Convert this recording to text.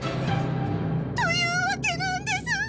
というわけなんです！